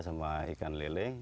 sama ikan leleh